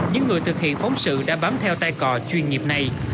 những người thực hiện phóng sự đã bám theo tai cò chuyên nghiệp này